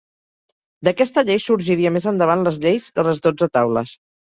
D'aquesta llei sorgiria més endavant les Lleis de les dotze taules.